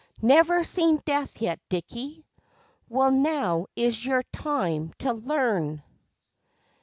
Never seen death yet, Dickie?... Well, now is your time to learn!